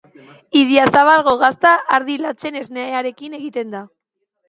Idiazabalgo gazta ardi latxen esnearekin egiten da.